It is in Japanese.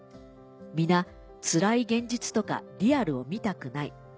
皆つらい現実とかリアルを見たくない。